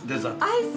アイス！